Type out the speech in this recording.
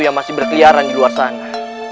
yang masih berkeliaran di luar sana